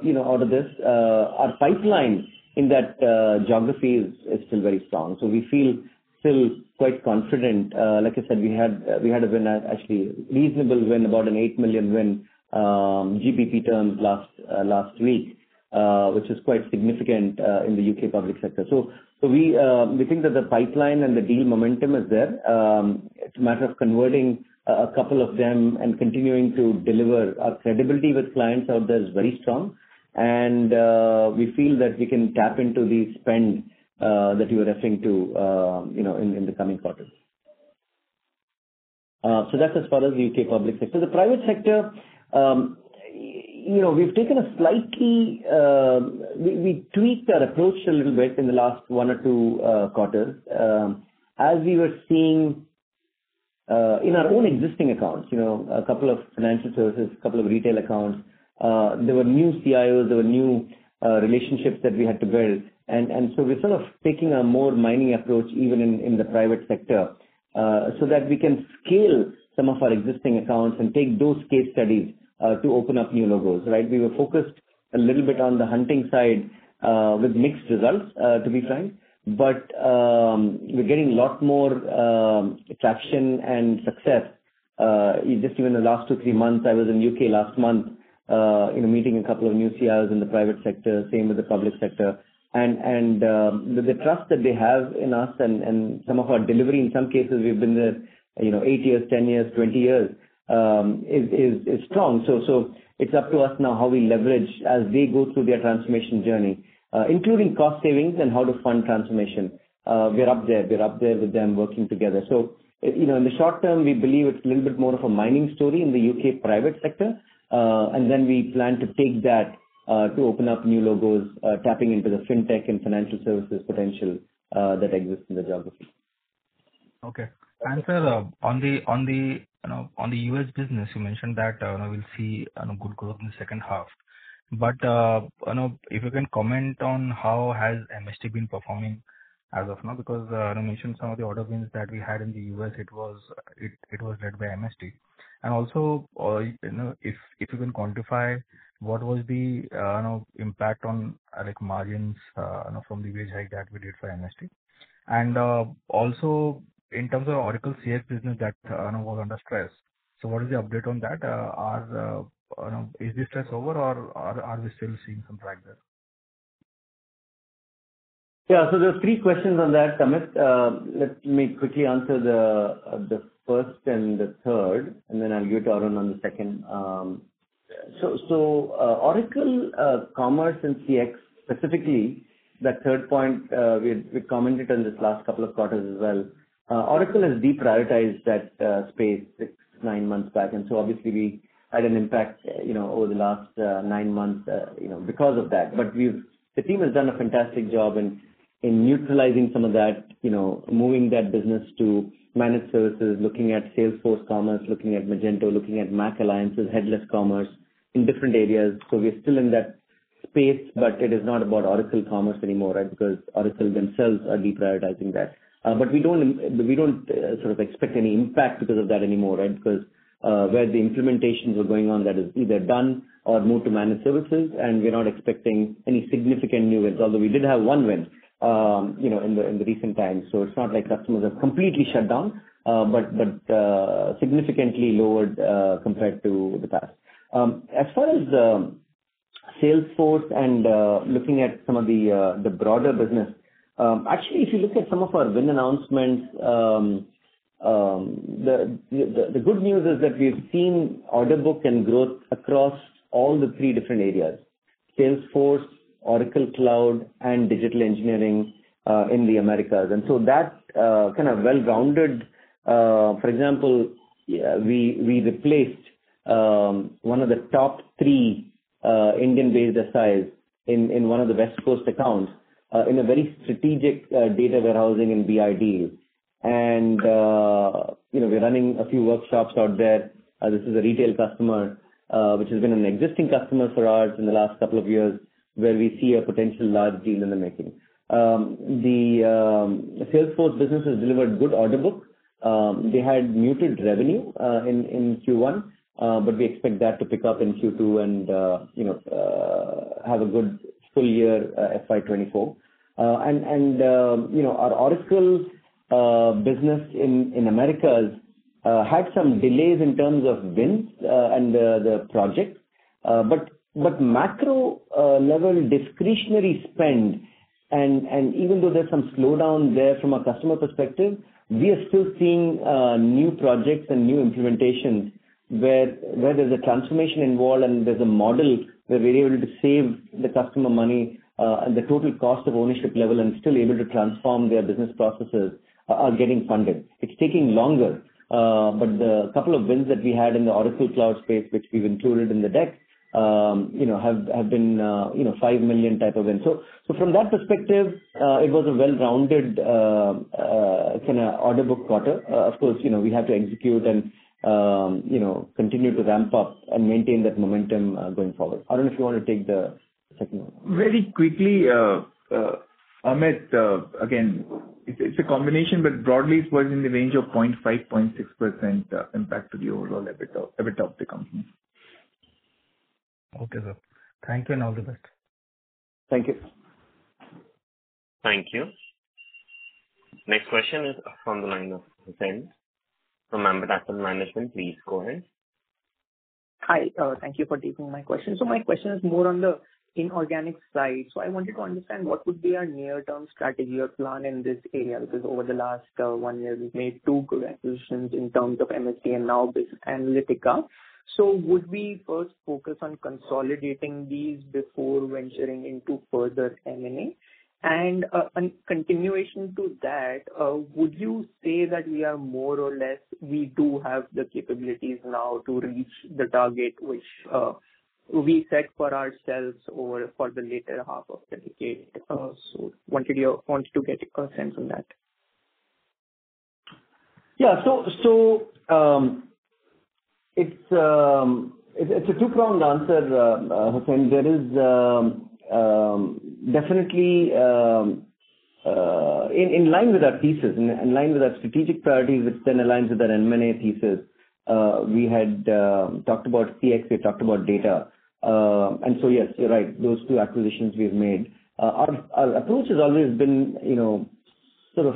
you know, out of this. Our pipeline in that geography is still very strong. We feel still quite confident. Like I said, we had a win, actually reasonable win, about a 8 million GBP win last week, which is quite significant in the UK public sector. We think that the pipeline and the deal momentum is there. It's a matter of converting a couple of them and continuing to deliver. Our credibility with clients out there is very strong. We feel that we can tap into the spend that you are referring to, you know, in the coming quarters. That's as far as the U.K public sector. The private sector, you know, we've taken a slightly. We tweaked our approach a little bit in the last one or two quarters. As we were seeing in our own existing accounts, you know, a couple of financial services, a couple of retail accounts, there were new CIOs, there were new relationships that we had to build. We're sort of taking a more mining approach, even in the private sector, so that we can scale some of our existing accounts and take those case studies to open up new logos, right? We were focused a little bit on the hunting side with mixed results to be frank. We're getting a lot more traction and success. Just even the last two, three months, I was in U.K. last month, you know, meeting a couple of new CIOs in the private sector, same with the public sector. The trust that they have in us and some of our delivery, in some cases, we've been there, you know, eight years, 10 years, 20 years, is strong. It's up to us now how we leverage as they go through their transformation journey, including cost savings and how to fund transformation. We're up there with them, working together. You know, in the short term, we believe it's a little bit more of a mining story in the U.K. private sector. Then we plan to take that to open up new logos, tapping into the Fintech and financial services potential that exists in the geography. Okay. Sir, on the, on the, you know, on the U.S. business, you mentioned that, we'll see, on a good growth in the second half. You know, if you can comment on how has MST been performing as of now? Because, you mentioned some of the order wins that we had in the US, it was led by MST. Also, you know, if you can quantify what was the, you know, impact on, like, margins, you know, from the wage hike that we did for MST. Also in terms of Oracle CX business that, was under stress. What is the update on that? are, you know, is the stress over or are we still seeing some progress? Yeah. There are three questions on that, Amit. let me quickly answer the first and the third, and then I'll give to Arun on the second. Oracle Commerce and CX, specifically, that third point, we commented on this last couple of quarters as well. Oracle has deprioritized that space six, nine months back, obviously we had an impact, you know, over the last nine months, you know, because of that. The team has done a fantastic job in utilizing some of that, you know, moving that business to managed services, looking at Salesforce Commerce, looking at Magento, looking at MACH Alliance, headless commerce in different areas. We are still in that space, but it is not about Oracle Commerce anymore, right? Because Oracle themselves are deprioritizing that. We don't sort of expect any impact because of that anymore, right? Because where the implementations were going on, that is either done or moved to managed services, and we're not expecting any significant new wins, although we did have one win, you know, in the recent times. It's not like customers have completely shut down, but significantly lowered compared to the past. As far as the Salesforce and looking at some of the broader business, actually, if you look at some of our win announcements, the good news is that we've seen order book and growth across all the three different areas: Salesforce, Oracle Cloud, and digital engineering in the Americas. That kind of well-rounded... For example, we replaced one of the top three Indian-based size in one of the West Coast accounts in a very strategic data warehousing and BI. You know, we're running a few workshops out there. This is a retail customer which has been an existing customer for us in the last couple of years, where we see a potential large deal in the making. The Salesforce business has delivered good order book. They had muted revenue in Q1, but we expect that to pick up in Q2 and, you know, have a good full year FY 24. You know, our Oracle business in Americas had some delays in terms of wins and the project. macro level discretionary spend and even though there's some slowdown there from a customer perspective, we are still seeing new projects and new implementations, where there's a transformation involved and there's a model where we're able to save the customer money, and the total cost of ownership level and still able to transform their business processes are getting funded. It's taking longer, but the couple of wins that we had in the Oracle Cloud space, which we've included in the deck, you know, have been, you know, $5 million type of wins. From that perspective, it was a well-rounded, kind of order book quarter. Of course, you know, we have to execute and, you know, continue to ramp up and maintain that momentum, going forward. Arun, if you want to take the second one. Very quickly, Amit, again, it's a combination, but broadly it was in the range of 0.5%-0.6% impact to the overall EBITDA of the company. Okay, sir. Thank you, and all the best. Thank you. Thank you. Next question is from the line of Zen, from Asset Management. Please go ahead. Hi, thank you for taking my question. My question is more on the inorganic side. I wanted to understand what would be our near-term strategy or plan in this area? Because over the last year, we've made two good acquisitions in terms of MST and now BizAnalytica. Would we first focus on consolidating these before venturing into further M&A? In continuation to that, would you say that we are more or less, we do have the capabilities now to reach the target, which we set for ourselves over for the latter half of the decade. Wanted to get your consent on that. Yeah. So, it's a two-pronged answer, Hussein. There is definitely in line with our thesis, in line with our strategic priorities, which then aligns with our M&A thesis. We had talked about CX, we talked about data. Yes, you're right, those two acquisitions we've made. Our approach has always been, you know, sort of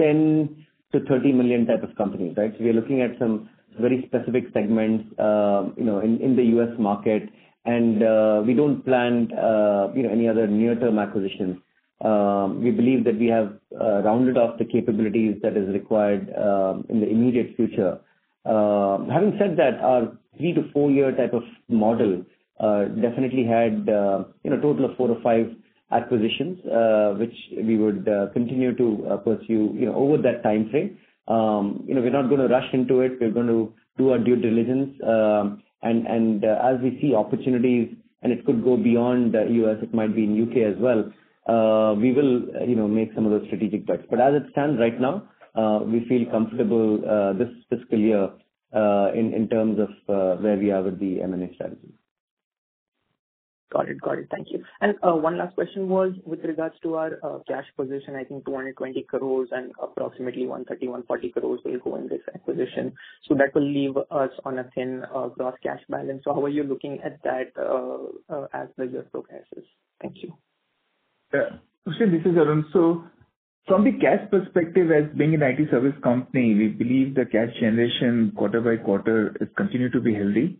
$10 million-$30 million type of companies, right? We are looking at some very specific segments, you know, in the U.S. market. We don't plan, you know, any other near-term acquisitions. We believe that we have rounded off the capabilities that is required in the immediate future. Having said that, our 3 to 4 year type of model definitely had, you know, a total of 4 to 5 acquisitions, which we would continue to pursue, you know, over that time frame. We're not gonna rush into it. We're going to do our due diligence. And as we see opportunities, and it could go beyond the U.S., it might be in U.K. as well, we will, you know, make some of those strategic bets. But as it stands right now, we feel comfortable this fiscal year in terms of where we are with the M&A strategy. Got it. Got it. Thank you. One last question was with regards to our cash position. I think 220 crores and approximately 130-140 crores will go in this acquisition. That will leave us on a thin gross cash balance. How are you looking at that as the year progresses? Thank you. Hussein, this is Arun. From the cash perspective, as being an IT service company, we believe the cash generation quarter by quarter is continued to be healthy.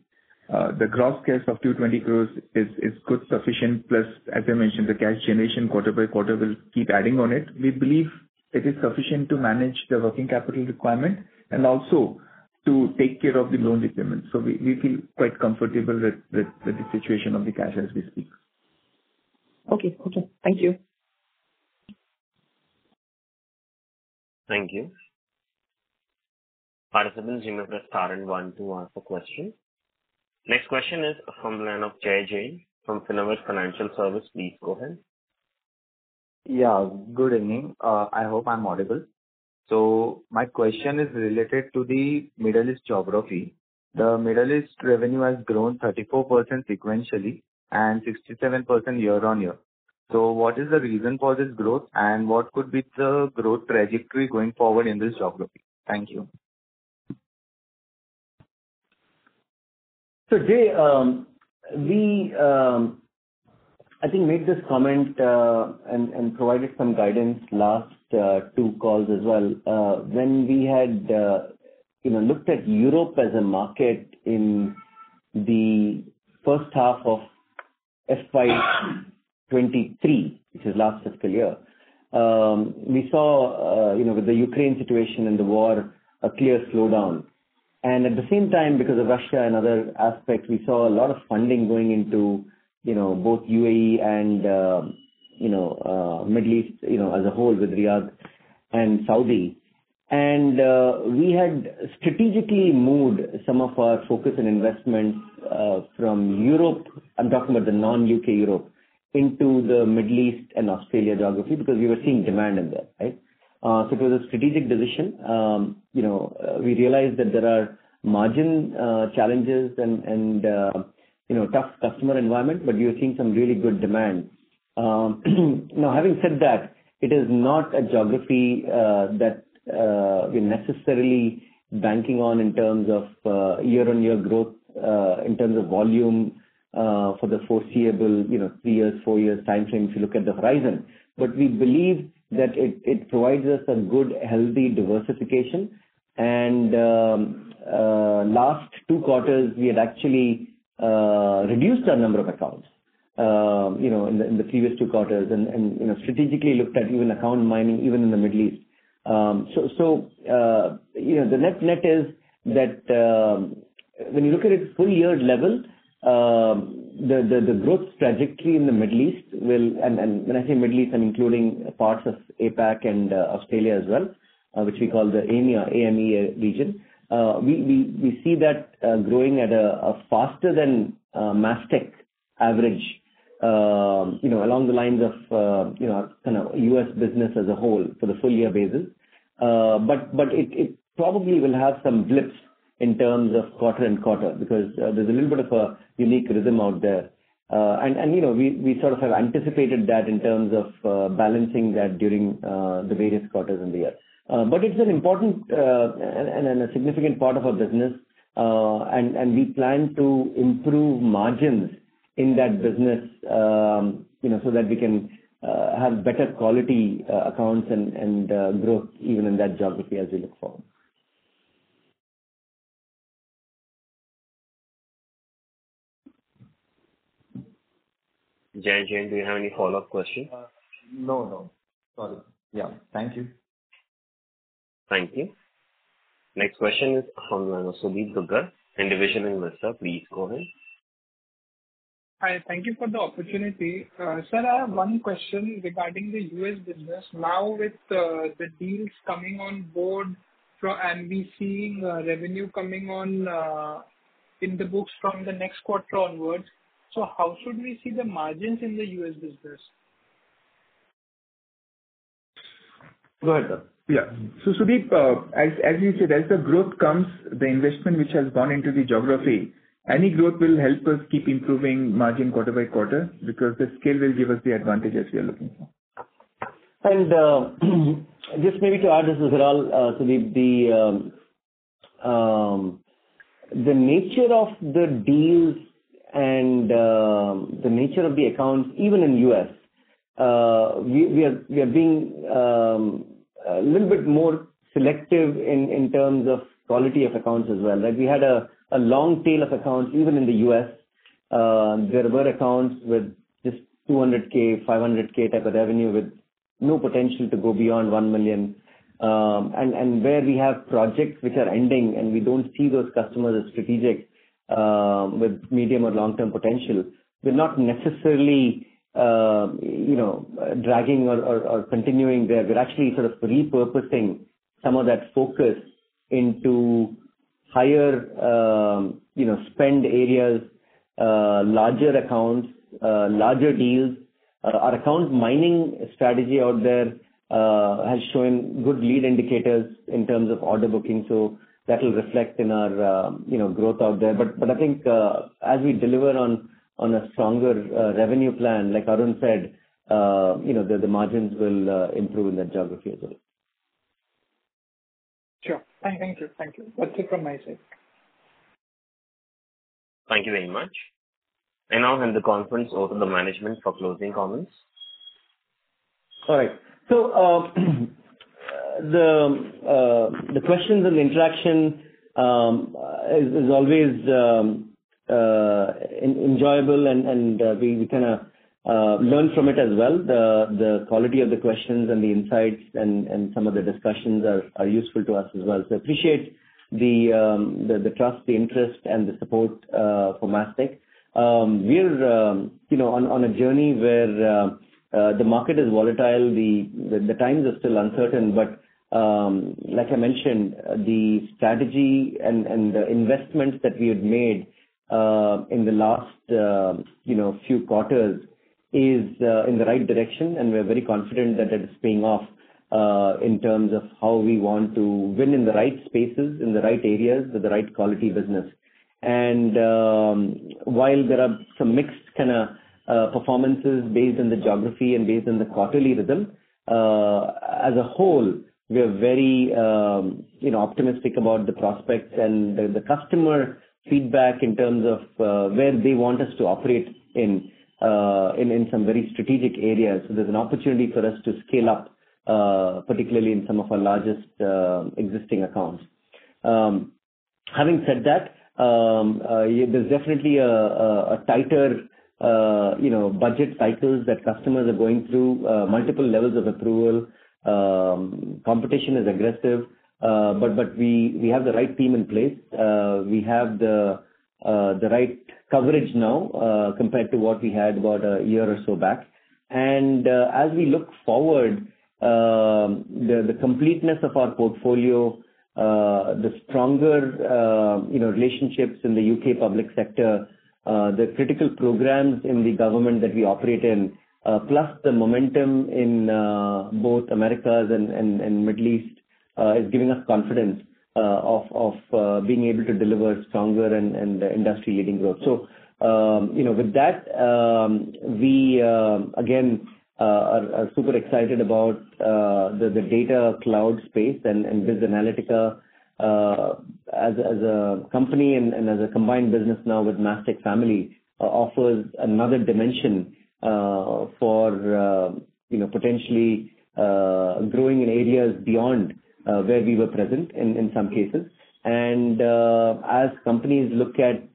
The gross cash of 220 crores is good sufficient, plus, as I mentioned, the cash generation quarter by quarter will keep adding on it. We believe it is sufficient to manage the working capital requirement and also to take care of the loan requirements. We feel quite comfortable with the situation of the cash as we speak. Okay. Okay. Thank you. Thank you. Participants, you may start and want to ask a question. Next question is from the line of Jay Jain from Finnovate Financial Services. Please go ahead. Yeah. Good evening. I hope I'm audible. My question is related to the Middle East geography. The Middle East revenue has grown 34% sequentially and 67% year-on-year. What is the reason for this growth, and what could be the growth trajectory going forward in this geography? Thank you. Jay, we, I think made this comment, and provided some guidance last two. calls as well. When we had, you know, looked at Europe as a market in the first half of FY 2023, which is last fiscal year, we saw, you know, with the Ukraine situation and the war, a clear slowdown. At the same time, because of Russia and other aspects, we saw a lot of funding going into, you know, both UAE and, you know, Middle East, you know, as a whole, with Riyadh and Saudi. We had strategically moved some of our focus and investments from Europe, I'm talking about the non-U.K. Europe, into the Middle East and Australia geography, because we were seeing demand in there, right? It was a strategic decision. You know, we realized that there are margin challenges and, you know, tough customer environment, but we were seeing some really good demand. Now, having said that, it is not a geography that we're necessarily banking on in terms of year-on-year growth in terms of volume for the foreseeable, you know, three years, four years time frame, if you look at the horizon. We believe that it provides us a good, healthy diversification. Last two quarters we have actually reduced our number of accounts, you know, in the previous two quarters and, you know, strategically looked at even account mining even in the Middle East. The net is that when you look at it full year level, the growth trajectory in the Middle East will. And when I say Middle East, I'm including parts of APAC and Australia as well, which we call the AMEA region. We see that growing at a faster than Mastek average, you know, along the lines of kind of U.S. business as a whole for the full year basis. But it probably will have some blips in terms of quarter-on-quarter because there's a little bit of a unique rhythm out there. And you know, we sort of have anticipated that in terms of balancing that during the various quarters in the year. It's an important and a significant part of our business. We plan to improve margins in that business, you know, so that we can have better quality accounts and growth even in that geography as we look forward. Jay Jain, do you have any follow-up questions? No. Sorry. Yeah. Thank you. Thank you. Next question is from Sudeep Gunnar, Individual Investor. Please go ahead. Hi, thank you for the opportunity. sir, I have one question regarding the U.S. business. With the deals coming on board for NHS, revenue coming on, in the books from the next quarter onwards, how should we see the margins in the U.S. business? Go ahead, sir. Sudeep, as you said, as the growth comes, the investment which has gone into the geography, any growth will help us keep improving margin quarter by quarter, because the scale will give us the advantage as we are looking for. Just maybe to add, this is Viral. So the nature of the deals and the nature of the accounts, even in U.S., we are being a little bit more selective in terms of quality of accounts as well. Like, we had a long tail of accounts, even in the U.S., there were accounts with just $200K, $500K type of revenue, with no potential to go beyond $1 million. And where we have projects which are ending, and we don't see those customers as strategic, with medium or long-term potential. We're not necessarily, you know, dragging or continuing there. We're actually sort of repurposing some of that focus into higher, you know, spend areas, larger accounts, larger deals. Our account mining strategy out there has shown good lead indicators in terms of order booking, so that will reflect in our, you know, growth out there. I think, as we deliver on a stronger revenue plan, like Arun said, you know, the margins will improve in that geography as well. Sure. Thank you. Thank you. That's it from my side. Thank you very much. I now hand the conference over to the management for closing comments. All right. The questions and the interaction is always enjoyable, and we kinda learn from it as well. The quality of the questions and the insights and some of the discussions are useful to us as well. Appreciate the trust, the interest, and the support for Mastek. We're, you know, on a journey where the market is volatile, the times are still uncertain, like I mentioned, the strategy and the investments that we had made in the last, you know, few quarters, is in the right direction, and we're very confident that it is paying off in terms of how we want to win in the right spaces, in the right areas, with the right quality business. While there are some mixed kinda performances based on the geography and based on the quarterly rhythm, as a whole, we are very, you know, optimistic about the prospects and the customer feedback in terms of where they want us to operate in some very strategic areas. There's an opportunity for us to scale up, particularly in some of our largest existing accounts. Having said that, there's definitely a tighter, you know, budget cycles that customers are going through, multiple levels of approval. Competition is aggressive, but we have the right team in place. We have the right coverage now, compared to what we had about a year or so back. As we look forward, the completeness of our portfolio, the stronger, you know, relationships in the UK public sector, the critical programs in the government that we operate in, plus the momentum in both Americas and Middle East, is giving us confidence of being able to deliver stronger and industry-leading growth. You know, with that, we again are super excited about the data cloud space and BizAnalytica as a company and as a combined business now with Mastek offers another dimension for, you know, potentially growing in areas beyond where we were present in some cases. As companies look at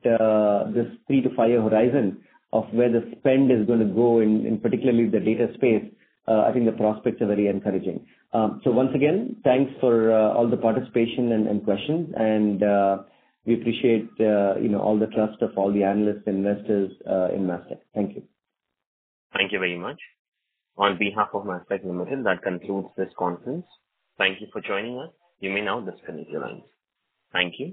this 3-5 horizon of where the spend is going to go in particularly the data space, I think the prospects are very encouraging. So once again, thanks for all the participation and questions, an You may now disconnect your lines. Thank you.